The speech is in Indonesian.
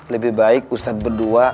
lebih baik ustadz berdua